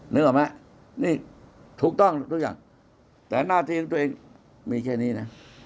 นึกออกไหมนี่ถูกต้องทุกอย่างแต่หน้าที่ของตัวเองมีแค่นี้นะ